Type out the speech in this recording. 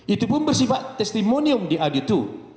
itu pun bersifat testimonium di aditu